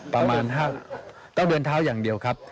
ประมาณ๕กิโลเมตรต้องเดินเท้าอย่างเดียวครับ